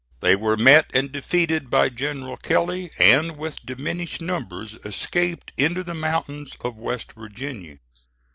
They were met and defeated by General Kelley, and with diminished numbers escaped into the mountains of West Virginia.